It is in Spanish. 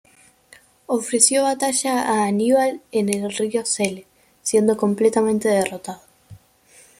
Ofreció batalla a Aníbal en el río Sele, siendo completamente derrotado.